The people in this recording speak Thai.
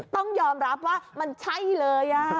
ต้องยอมรับว่ามันใช่เลย